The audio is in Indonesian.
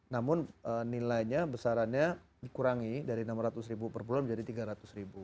namun nilainya besarannya dikurangi dari rp enam ratus ribu per bulan menjadi rp tiga ratus ribu